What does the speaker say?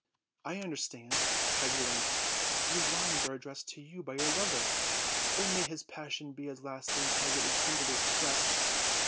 "I understand," cried Euryanthe; "these lines are addressed to you by your lover. May his passion be as lasting as it is tenderly expressed!"